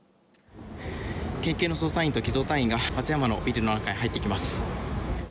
県警の捜査員の機動隊員が松山の中に入っていきます。